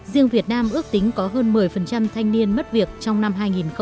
riêng việt nam ước tính có hơn một mươi thanh niên mất việc trong năm hai nghìn hai mươi